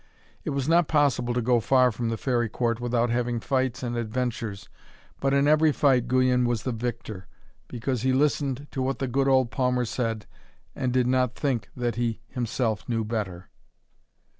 It was not possible to go far from the fairy court without having fights and adventures, but in every fight Guyon was the victor, because he listened to what the good old palmer said, and did not think that he himself knew better.